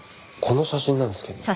この写真なんですけど。